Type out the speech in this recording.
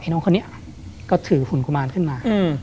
น้องคนนี้ก็ถือหุ่นกุมารขึ้นมา